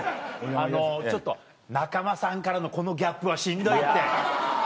あのちょっと仲間さんからのこのギャップはしんどいって。